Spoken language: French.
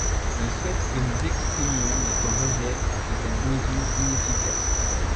Je souhaite que nous exprimions notre rejet de cette mesure inefficace.